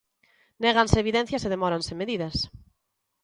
Néganse evidencias e demóranse medidas.